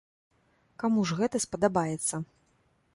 Каму ж гэта спадабаецца.